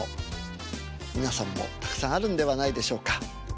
皆さんもたくさんあるんではないでしょうか。